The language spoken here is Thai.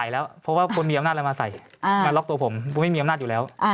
ไม่มีอำนาจอยู่แล้ว